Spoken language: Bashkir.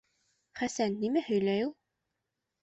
Хәсән, нимә һөйләй ул?